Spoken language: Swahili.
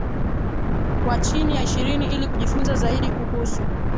wa chini ya ishirini Ili kujifunza zaidi kuhusu